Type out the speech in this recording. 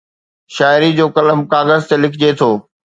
شاعري جو قلم ڪاغذ تي لکجي ٿو